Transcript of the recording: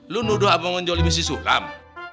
lu nuduh apa yang menjolimi si sulam